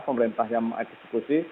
pemerintah yang eksekusi